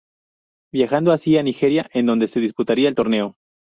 Viajando así a Nigeria en donde se disputaría el torneo.